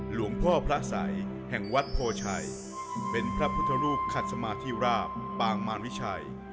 หลวงพ่อพระสัยแห่งวัดโพชัยเป็นพระพุทธรูปขัดสมาธิราบปางมารวิชัย